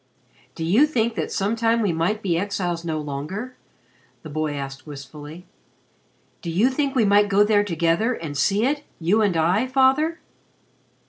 "Do you think that some time we might be exiles no longer?" the boy said wistfully. "Do you think we might go there together and see it you and I, Father?"